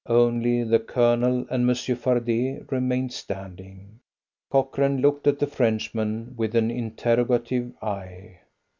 Only the Colonel and Monsieur Fardet remained standing. Cochrane looked at the Frenchman with an interrogative eye.